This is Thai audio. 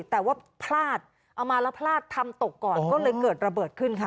แต่ว่าพลาดเอามาแล้วพลาดทำตกก่อนก็เลยเกิดระเบิดขึ้นค่ะ